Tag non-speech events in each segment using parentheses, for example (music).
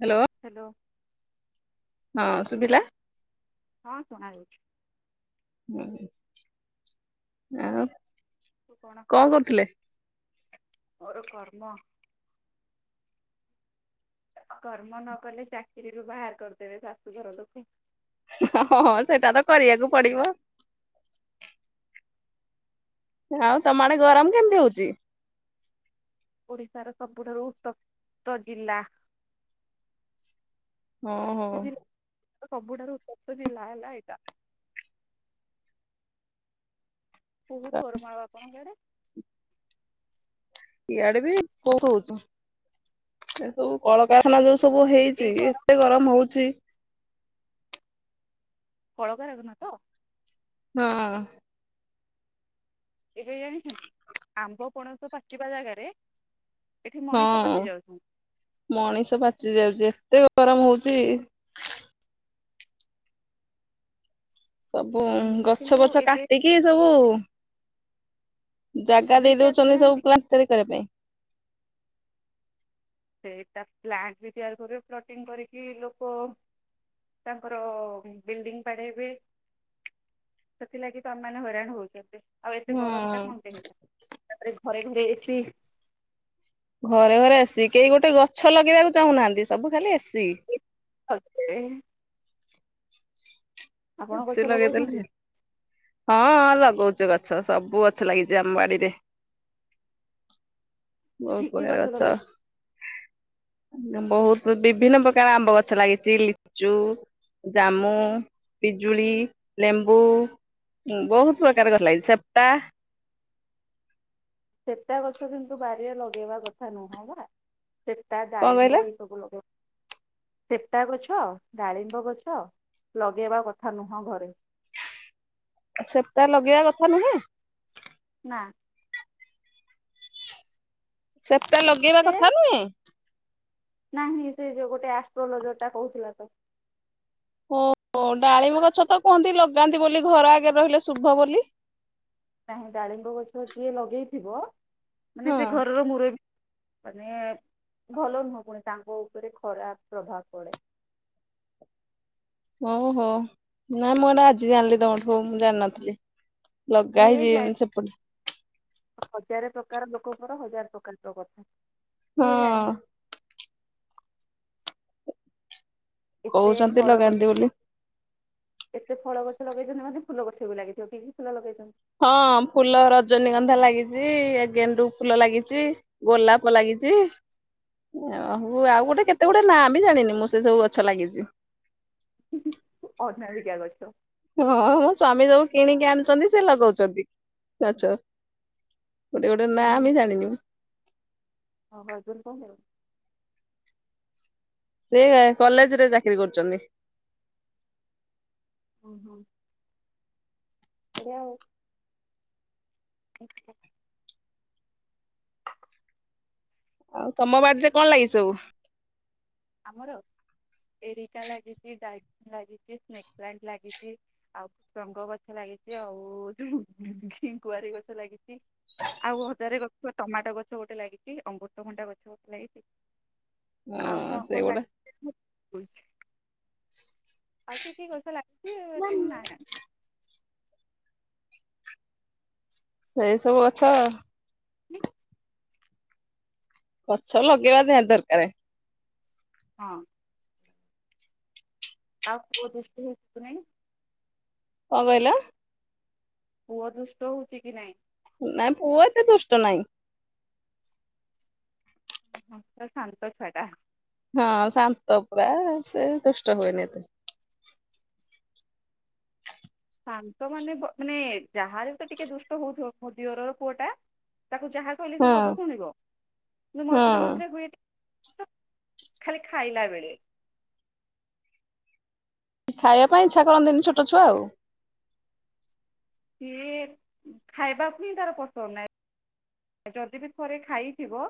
Hello. Hello. ହଁ ଶୁଭିଲା। ହଁ ଶୁଣା ଯାଉଛି। ହୁଁ ହଉ ଆଉ କଣ କରୁଥିଲେ? ମୋର କର୍ମ କର୍ମ ନ କଲେ ଚାକିରିରୁ ବାହାର କରିଦେବେ ଶାଶୁଘର ଲୋକ। ହଁ ସେଇଟା ତ କରିବାକୁ ପଡିବ। ଆଉ ତମ ଆଡେ ଗରମ କେମିତି ହଉଛି? ଓଡିଶାର ସବୁଠାରୁ ଉତ୍ତପ୍ତ ଜିଲ୍ଲା। ହଁ ସେ ହଁ ଜି ସବୁଠାରୁ ଉତ୍ତପ୍ତ ଜିଲ୍ଲା ହେଲା ଏଇଟା। ବହୁତ୍ ଗରମ ଆଉ ଆପଣଙ୍କ ଆଡେ? ଇଆଡେ ବି ହଉଚି ସେସବୁ। କଳକାରଖାନା ଯଉ ସବୁ ଏଇ ହେଇଚି ଘର ଏତେ ଗରମ ହଉଚି। କଳକାରଖାନା ତ? ହଁ। ଏ (inaudible) ଆମ୍ବ ପଣସ ପାଚିବା ଜାଗାରେ ଏଠି ମଣିଷ ହଁ, ପାଚି ମଣିଷ ପାଚି ଯାଉଚି ଏତେ ଗରମ ହଉଚି। ସବୁ ଯାଉଛନ୍ତି ଗଛ କିନ୍ତୁ ବଛ ଏବେ କାଟିକି ସବୁ ଜାଗା ଦୁଇ ଦେଇ ଚାରି ଦିନ ଦଉଛନ୍ତି ହେଲାଣି ସବୁ ପ୍ଲାଟିରି କରିବା ପାଇଁ। ସେଇଟା ପ୍ଲାଣ୍ଟ ବି ତିଆରି କରିକି ଫ୍ଲଟିଂ କରିକି ଲୋକ ତାଙ୍କର ବିଲ୍ଡିଙ୍ଗ ବାଡେଇବେ। ସେଥିଲାଗି ତ ଆମେମାନେ ହଇରାଣ ହଉଚନ୍ତି। ଆଉ ଏତେ ଗରମ ଟା କଣ ହଁ ପାଇଁ ହେଇଥାନ୍ତା ତାପରେ ଘରେ ଘରେ ଏସି। ଘରେ ଘରେ ଏସି କେହି ଗୋଟେ ଗଛ ଲଗେଇବାକୁ ଚାହୁଁନାହାନ୍ତି ସବୁ ଖାଲି ଏସି। ହ (inaudible) ଆପଣ ଗଛ ଏସି ଲଗଉଛନ୍ତି ଲଗେଇଦେଲେ ହଁ ଲଗଉଚି ଗଛ ସବୁ ଗଛ ଲାଗିଚି ଆମ ବାଡିରେ। କି ବହୁତ୍ କି ପ୍ରକାର ଗଛ। ଲଗେଇ ବହୁତ ବିଭିନ୍ନ ପ୍ରକାର ଆମ୍ବ ଗଛ ଲାଗିଚି ଲିଚୁ, ଜାମୁ ପିଜୁଳି, ଲେମ୍ବୁ ବହୁତ ପ୍ରକାର ଗଛ ଲାଗିଚି ସେପ୍ଟା। ସେପ୍ଟା ଗଛ କିନ୍ତୁ ବାରିରେ ଲଗେଇବା କଥା ନୁହଁ ବା। ସେପ୍ଟା କଣ ଡାଳିମ୍ବ କହିଲେ ଏଇ ସବୁ ଲଗେଇ ସେପ୍ଟା ଗଛ ଡାଳିମ୍ବ ଗଛ ଲଗେଇବା କଥା ନୁହଁ ଘରେ। ସେପ୍ଟା ଲଗେଇବା କଥା ନୁହେଁ? ନା। ସେପ୍ଟା ଲଗେଇବା କଥା କେଜାଣି ନୁହେଁ? ନାହିଁ ସେ ଯୋ ଗୁଟେ ଆଷ୍ଟ୍ରୋଲୋଜର ଟା କହୁଥିଲା ତ। ଓହୋ ଡାଳିମ୍ବ ଗଛ ତ କୁହନ୍ତି ଲଗାନ୍ତି ବୋଲି ଘର ଆଗରେ ରହିଲେ ଶୁଭ ବୋଲି। ନାହିଁ ଡାଳିମ୍ଵ ଗଛ ଯିଏ ଲଗେଇଥିବ ମାନେ ହଁ ସେ ଘରର ମୂୁରବି ମାନେ ଭଲ ନୁହଁ ପୁଣି ତାଙ୍କ ଉପରେ ଖରାପ ପ୍ରଭାବ ପଡେ। ଓହୋ ନାଇଁ ମୁଁ ଏଇଟା ଆଜି ଜାଣିଲି ତମଠୁ ମୁଁ ଜାଣିନଥିଲି। ଲଗା କିଏ ଜାଣି ହେଇଛି ସେପଟେ। ହଜାରେ ପ୍ରକାର ଲୋକଙ୍କର ହଜାର ପ୍ରକାର ତ କଥା କିଏ ହଁ ଜାଣେ। ଏତେ କହୁଛନ୍ତି ଫଳ ଲଗାନ୍ତି ବୋଲି। ଏତେ ଫଳ ଗଛ ଲଗେଇଛନ୍ତି ମାନେ ଫୁଲ ଗଛ ବି ଲାଗିଥିବ କି କି ଫୁଲ ଲଗେଇଚନ୍ତି। ହଁ ଫୁଲ ରଜନୀଗନ୍ଧା ଲାଗିଚି ଏ ଗେଣ୍ଡୁ ଫୁଲ ଲାଗିଚି। ଗୋଲାପ ଲାଗିଚି। ୟ ହଉ ଆଉ ଗୋଟେ କେତେ ଗୁଡେ ନାଁ ବି ଜାଣିନି ମୁଁ ସେ ସବୁ ଗଛ ଲାଗିଚି। ଅନାମିକା ଗଛ। ହଁ ସ୍ଵାମୀ ସବୁ କିଣିକି ଆଣୁଛନ୍ତି ସେ ଲଗଉଚନ୍ତି ଗଛ। ଗୋଟେ ଗୋଟେ ହୁଁ ନାଁ ହୁଁ ବି ଜାଣିନି। (inaudible) ସେ କଲେଜରେ ଚାକିରି କରିଚନ୍ତି। ହୁଁ ହଁ (inaudible) ଆଜ୍ଞା ଆଉ। ଠିକ୍ (inaudible) ଆଉ ତମ ବାଡିରେ କଣ ଲାଗିଚି ସବୁ ଆମର ଏରିକା ଲାଗିଚି ଡାଇଟ ଲାଗିଚି ଟ୍ରେଗ୍ ନାଇଟ ଲାଗିଚି। ଆଉ ରଙ୍ଗ ଗଛ ଲାଗିଛି ଆଉ ଯୋଉ କୁଆରୀ ଗଛ ଲାଗିଛି ଆଉ ହଜାରେ ଗଛ ଟମାଟୋ ଗଛ ଗୋଟେ ଲାଗିଛି ଅଙ୍ଗୃତଭଣ୍ଣ୍ଡା ଗଛ ଗୋଟେ ଲାଗିଛି। ହଁ ସେଇ ଗୋଟେ। ୁ ଆଉ କି କିଏ ଗଛା ଲାଗୁଚି। ବନ୍ୟ ସେଇ ସବୁ ଅଛ। ହଁ। ଗଛ ଲଗେଇବା ଦହା ଦରକାର। ହଁ। ତା- କୁ- ଦିଷ୍ ହେଇନି। କଣ କହିଲ ପୁଅ ଦୁଷ୍ଟ ହଉଛି କି ନାଇଁ। ନାଇଁ ପୁଅ ଏତେ ଦୁଷ୍ଟ ନହିଁ। (inaudible) ହ -ତ -ଶନ୍ତ ଛଟା ହଁ ଶାନ୍ତ ପୁରା ସେ ଦୁଷ୍ଟ ହୁଏନି ଏତ। ଶନ୍ତ ମାନେ ମାନେ ଯାହାହାର ତ ଟିକେ ଦୁଷ୍ଟ ହଉଥିବ ମୋ ଦିଅରର ପୁଅ ଟା ତାକୁ ଯାହା କହ ହଁ ସବୁ ଶୁଣିବ କି ମଝିରେ ହଁ। ମଝିରେ (inaudible) ଖାଲି ଖାଇଲା ବେଳେ ଖାଇବା ପାଇଁ ଇଚ୍ଛା କରନ୍ତିନ ଛୋଟ ଛୁଆ ଆଉ। ସେ ଖାଇବା ହିଁ ପସନ୍ଦ ନାହିଁ। ଆ ଯଦି ବି ଥରେ ଖାଇଥିବ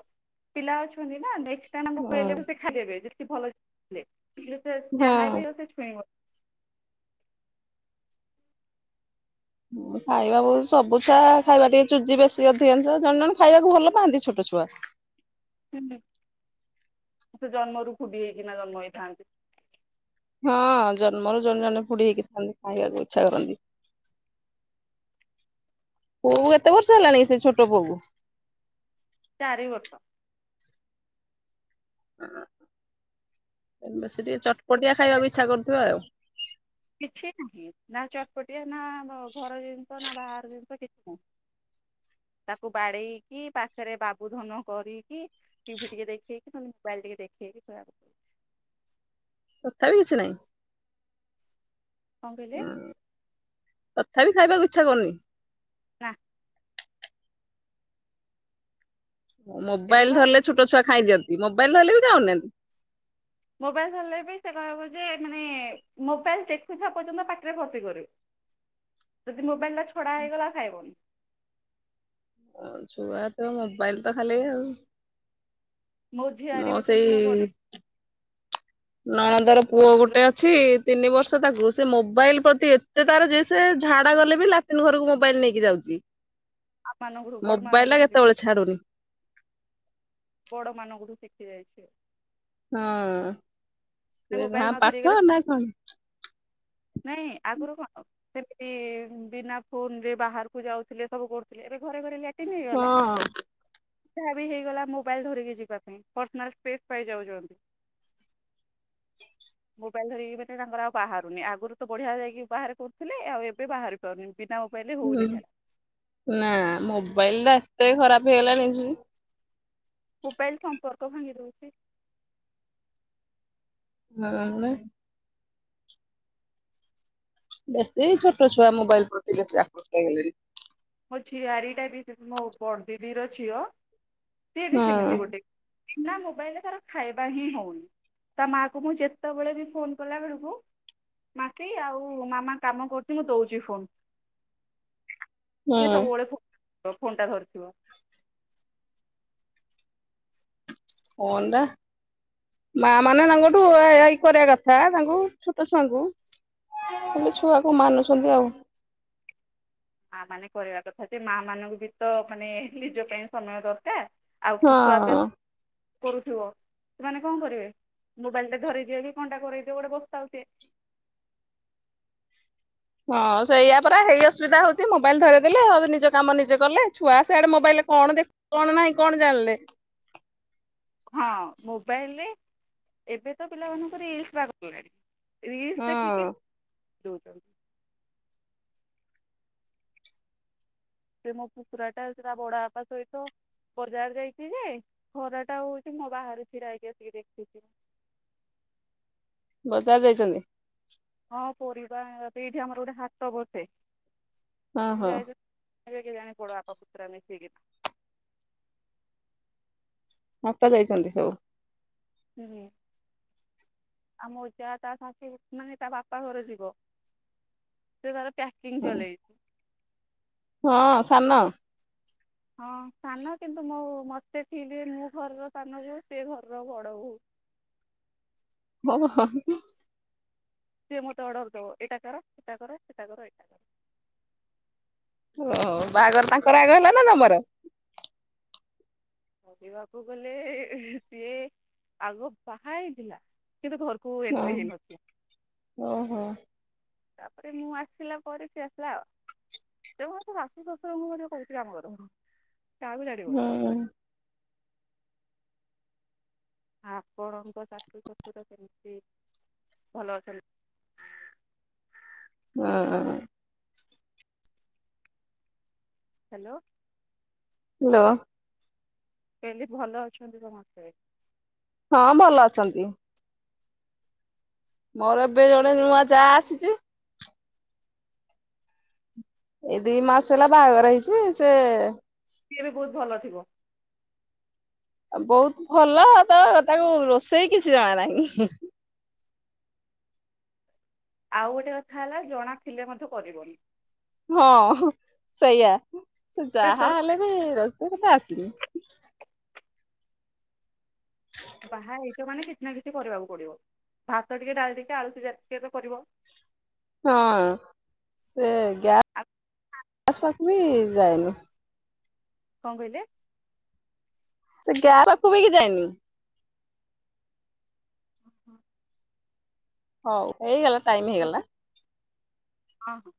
ପିଲା ଅଛନ୍ତି ନା ନେକ୍ସ କହିଲେ ସେ ଖାଇଦେବେ ଯେି ଭଲ ଯଲେ ଚାହା ହଁ। ବି ଆଉ ସେ ଛୁଇଁବ ଖାଇବାକୁ ସବୁଛ ଖାଇବା ଟିକେ ଚୁଜି ବେଶୀ ଅଧିକାଂଶ ଜଣେ ଜଣ ଖାଇବାକୁ ଭଲ ପାଆନ୍ତି ଛୋଟ ଛୁଆ। ହୁ ସେ ଜନ୍ମରୁ ଖୁବ ହେଇକିନା ଜନ୍ମ ହେଇଥାନ୍ତି। ହଁ ଜନ୍ମରୁ ଜଣ ଜଣେ ପୁଡିୀ ହେଇକି ଥାନ୍ତି ଖାଇବାକୁ ଇଚ୍ଛା କରନ୍ତି। ପୁଅ କୁ କେତେ ବର୍ଷ ହେଲାଣି ସେ ଛୋଟ ପୁଅ କୁ ଚାରି ବର୍ଷ। ବେଶ ଟିକେ ଚଟପଟିଆ ଖାଇବାକୁ ଇଚ୍ଛା କରୁଥିବ ଆଉ। କିଛି ନାହିଁ ନା ଚଟପଟିଆ ନା ଘର ଜିନିଷ ନା ବାହାର ଜିନିଷ କିଛି ନାହିଁ। ତାକୁ ବାଡେଇକି ପାଖରେ ବାବୁଧନ କରିକି ଟିଭି ଟିକେ ଦେଖେ କି ନହେଲେ ମୋବାଇଲ ଟିକେ ଦେଖେ। (unintelligible) ତଥାପି କିଛି ନାହିଁ। କଣ କହିଲେ? ହଁ ତଥାପି ଖାଇବାକୁ ଇଚ୍ଛା କରୁନି। ନା। ଏବେ ମୋବାଇଲ ବା ଧରିଲେ ଛୋଟ ଛୁଆ ଖାଇ ଦିଅନ୍ତି। ମୋବାଇଲ ଧରିଲେ ବି ଖାଉନାହାନ୍ତି। ମୋବାଇଲ ଧରିଲେ ବି ସେ କହିବ ଯେ ମାନେ ମୋବାଇଲ ଦେଖୁଥିଲା ପର୍ଯ୍ୟନ୍ତ ପାଟିରେ ଭର୍ତ୍ତି କରୁ। (inaudible) ଯଦି ମୋବାଇଲ ଟା ଛଡା ହେଇଗଲା ଖାଇବନି। ଛୁଆ ତ ମୋବାଇଲ ତ ଖାଲି ଆଉ। ମୋ ଝିଆରୀ ବି ସେଇ ସେମିତି ମୋ ବଡ ନଣନ୍ଦର ବଡ ପୁଅ ଦିଦିର ଗୋଟେ ଛି ତିନି ବର୍ଷ ତାକୁ, ସେ ମୋବାଇଲ ପ୍ରତି ଏତେ ତାର ଯେ ସେ ଝାଡା ଗଲେ ବି ଲା ଟିନ୍ ଘରକୁ ମୋବାଇଲ ନେଇକି ଯାଉଚି। ମାନଙ୍କଠୁ ବଡ ମୋବାଇଲ ମାନଙ୍କଠୁ ଶିଖୁଛି କେତେବେଳେ ଛାଡୁନି। ବଡ ମାନଙ୍କଠୁ ଶିଖି ଯାଇଚି। ହଁ। ନା ସେ ମୋବାଇଲ ନ ଧରିକି ପାଠ ଗଲେ ନା (inaudible) ନାଇଁ ଆଗରୁ କଣ ସେମିତି ବିନା ଫୋନ ରେ ବାହାରକୁ ଯାଉଥିଲେ ସବୁ କରୁଥିଲେ ଏବେ ଘରେ ଘରେ। (unintelligible) (unintelligible) ହଁ। ଯାହା ବି ହେଇଗଲା ମୋବାଇଲ ଧରିକି ଯିବା ପାଇଁ, ପର୍ସନାଲ ସ୍ପେସ୍ ପାଇ ଯାଉଚନ୍ତି। ମୋବାଇଲ୍ ଧରିକି ଏବେ ତ ତାଙ୍କର ଆଉ ବାହାରୁନି। ଆଗରୁ ତ ବଢିଆ ଯାଇକି ବାହାରେ କରୁଥିଲେ, ଆଉ ଏବେ ବାହାରି ପାରୁନି। ବିନା ମୋବାଇଲ୍ ରେ ହଉନି ଝାଡ଼ା। ନା, ମୋବାଇଲ ଟା ଏତେ ଖରାପ ହେଇଗଲାଣି ମୋବାଇଲ ସମ୍ପର୍କ ଭାଙ୍ଗି ଦଉଚି। ହଁ ପା। ବେଶୀ ଛୋଟ ଛୁଆ ମୋବାଇଲ ପ୍ରତି ବେଶୀ ଆକୃଷ୍ଟ ହେଇ ଗଲେଣି। ମୋ ଝିଆରୀଟା ବି ମୋ ବଡ଼ଦିଦିର ଝିଅ ସିଏ ବି ହଁ ସେମିତି ଗୋଟେ। ବିନା ମୋବାଇଲ୍ ରେ ତାର ଖାଇବା ହିଁ ହଉନି। ତା ମା କୁ ମୁଁ ଯେତେବେଳେ ବି ଫୋନ କଲା ବେଳକୁ ମାସି ଆଉ ମାମା କାମ କରୁଚି ମୁଁ ଦଉଚି ଫୋନ୍। ସେ ହଁ ସବୁବେଳେ ଫୋନ୍ ଫୋନ୍ ଟା ଧରିଥିବ। ଫୋନ୍ ନା ମା ମାନେ ତାଙ୍କଠୁ (unintelligible) କରିବା କଥା ତାଙ୍କୁ ଛୋଟ ଛୁଆଙ୍କୁ। ହେଲେ ଛୁଆ କୋଉ ମାନୁଚନ୍ତି ଆଉ। ମା ମାନେ କରିବା କଥା ଯେ ମା ମାନଙ୍କୁ ବି ତ ମାନେ ନିଜ ପାଇଁ ସମୟ ଦରକାର। ଆଉ ହଁ। (unintelligible) କରୁଥିବ ସେମାନେ କଣ କରିବେ, ମୋବାଇଲ୍ ଟା ଧରେଇ ଦିଅ କି କଣ ଟା କରେଇ ଦିଅ ଗୋଟେ ବସିଥାଉ ସିଏ। ହଁ ସେଇଆ ପରା, ହେଇ ଅସୁବିଧା ହଉଚି। ମୋବାଇଲ୍ ଧରେଇଦେଲେ ଆଉ ନିଜ କାମ ନିଜେ କଲେ, ଛୁଆ ସେଆଡେ ମୋବାଇଲ କଣ ଦେ କଣ ନାହିଁ କଣ ଜାଣିଲେ। ହଁ। ମୋବାଇଲରେ ଏବେ ତ ପିଲାମାନଙ୍କୁ ରିଲ୍ସ ପାଗଳ କଲାଣି। ରିଲ୍ସ ଦେଖିକି ହଁ (unintelligible) ସେ ମୋ ପୁତୁରାଟା ସେ ତା ବଡବାପା ସହିତ ବଜାର ଯାଇଚି ଯେ ଖରା ଟା ହଉଚି ମୋ ବାହାରୁ ଛିଡ଼ା ହେଇକି ଆସି ଦେଖୁଚି। ବଜାର ଯାଇଚନ୍ତି। ହଁ ପରିବା ଏଇଠି ଆମର ଗୋଟେ ହାଟ ବସେ ହଁ ଏଠି ହଁ ଯାଇ (unintelligible) କେଜାଣି ବଡ଼ବାପା ପତୁରା ମିଶିକିନା। ହାଟ ଯାଇଚନ୍ତି ସବୁ। ହୁଁ। ଆମ ଜା ତା ସାସୁ ମାନେ ତା ବାପା ଘର ଯିବ ସେ ତାର ଚାଟିଙ୍ଗି ଚଲେଇଚି। ହଁ ସାନ। ହଁ ସାନ କିନ୍ତୁ ମୁଁ ମତେ ଫିଲ ହୁଏ ମୁଁ ଘରର ସାନ ବୋହୁ ସେ ଘରର ବଡ ବୋହୂ। ହଁ। ସିଏ ମୋତେ ଅର୍ଡର ଦବ ଏଇଟା କର ସେଟା କର ସେଟା କର ଏଟା କର। ଓ ବାହାଘର ତାଙ୍କର ଆଗ ହେଲା ନା ତମର? କହିବାକୁ ଗଲେ ସିଏ ଆଗ ବାହା ହେଇଥିଲା କିନ୍ତୁ ଘରକୁ ହଁ ଏଣ୍ଟ୍ରି ହେଇନଥିଲା। ଓହୋ। ତାପରେ ମୁଁ ଆସିଲା ପରେ ସିଏ ଆସିଲା। ସେ (unintelligible) ଶାଶୁ ଶଶୁର ଙ୍କୁ ମଧ୍ୟ କହୁଚି ଆମର କାହାକୁ ଛାଡିବନି। ହଁ ଆପଣଙ୍କ ଶାଶୁ ଶଶୁର କେମିତି ଭଲ ଅଛନ୍ତି? ହୁଁ। ହାଲୋ। ହାଲୋ। କହିଲି ଭଲ ଅଛନ୍ତି ସମସ୍ତେ। ହଁ ଭଲ ଅଛନ୍ତି। ମୋର ଏବେ ଜଣେ ନୂଆ ଜା ଆସିଚି। ଏଇ ଦି ମାସ ହେଲା ବାହାଘର ହେଇଛି ସେ ସିଏ ଏବେ ବହୁତ ଭଲ ଥିବ। ବହୁତ ଭଲ ତ ତାକୁ ରୋଷେଇ କିଛି ଜଣା ନାହିଁ। ଆଉ ଗୋଟେ କଥା ହେଲା ଜଣା ଥିଲେ ମଧ୍ୟ କରିବନି। ହଁ ସେୟା ସେ ଯାହା ପ୍ରେସର ପଡ଼େ ହେଲେ ବି ରୋଷେଇ କଥା ଆସିନି। ବାହା ହେଇଚ ମାନେ କିଛି ନା କିଛି କରିବାକୁ ପଡିବ ଭାତ ଟିକେ ଡାଲି ଟିକେ ଆଳୁସିଜା ଟିକିଏ ତ କରିବ। ହଁ ସେ ଆଉ ଗ୍ୟାସ ପାଖ ବି ଯାଏନି। କଣ କହିଲେ? ସେ ଗ୍ୟାସ ପାଖକୁ ବି ଯାଇନି। ହଉ ହେଇଗଲା ଟାଇମ୍ ହଉ ହେଇଗଲା। ହଁ।